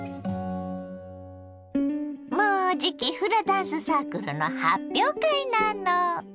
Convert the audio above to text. もうじきフラダンスサークルの発表会なの。